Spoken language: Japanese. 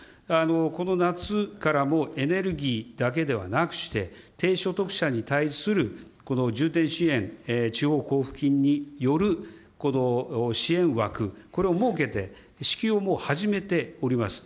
この夏からもエネルギーだけではなくして、低所得者に対するこの重点支援、地方交付金による支援枠、これを設けて、支給をもう始めております。